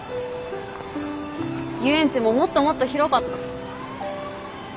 遊園地ももっともっと広かった。